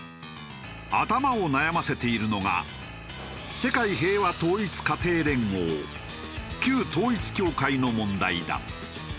頭を悩ませているのが世界平和統一家庭連合旧統一教会の問題だ。